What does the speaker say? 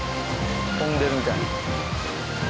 飛んでるみたいに。